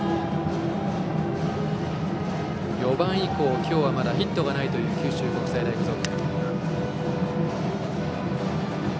４番以降、今日はまだヒットがない九州国際大付属。